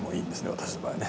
私の場合ね。